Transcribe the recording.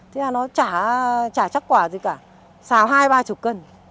thế là nó chả chắc quả gì cả xào hai ba chục cân